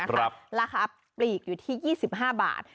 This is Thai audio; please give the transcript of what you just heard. ราคาปลีกอยู่ที่๒๕บาท